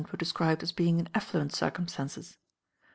were described as being in affluent circumstances.